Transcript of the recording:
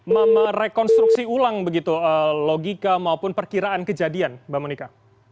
merekonstruksi ulang begitu logika maupun perkiraan kejadian mbak monika